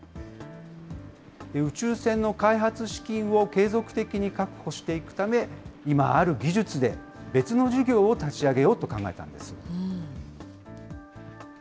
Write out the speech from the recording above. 宇宙船の開発資金を継続的に確保していくため、今ある技術で別の事業を立ち上げようと考えたんです。